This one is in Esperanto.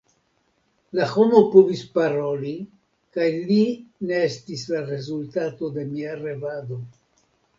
La homo povis paroli, kaj li ne estis la rezultato de mia revado.